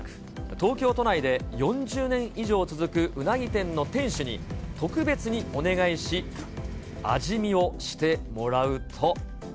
東京都内で４０年以上続くうなぎ店の店主に特別にお願いし、味見をしてもらうと。